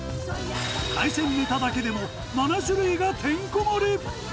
海鮮ネタだけでも７種類がてんこ盛り。